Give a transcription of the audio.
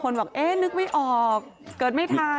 เพราะว่าเมื่อสักครู่ขาวใส่ไข่